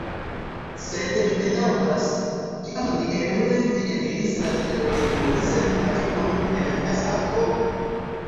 Sed mi bedaŭras, kiumaniere vi eniris la veturilon sen havi monon en via sako?